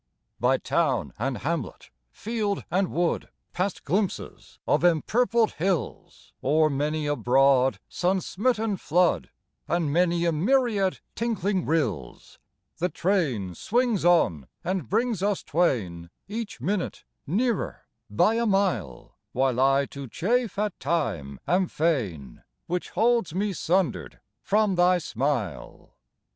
By town and hamlet, field and wood, Past glimpses of empurpled hills, O'er many a broad, sun smitten flood And many a myriad tinkling rills, The train swings on and brings us twain Each minute nearer by a mile, While I to chafe at time am fain, Which holds me sundered from thy smile.